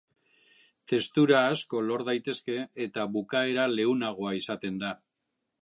Testura asko lor daitezke eta bukaera leunagoa izaten da.